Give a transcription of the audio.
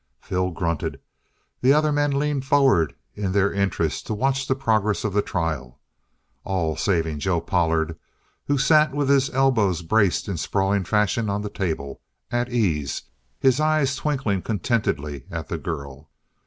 Phil grunted. The other men leaned forward in their interest to watch the progress of the trial, all saving Joe Pollard, who sat with his elbows braced in sprawling fashion on the table, at ease, his eyes twinkling contentedly at the girl.